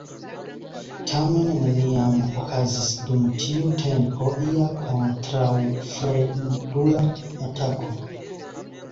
Tamen neniam okazis dum tiu tempo ia kontraŭfremdula atako.